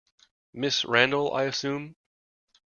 Ms Randall, I assume?